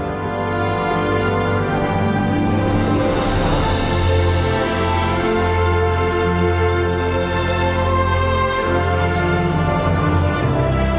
โปรดติดตามตอนต่อไป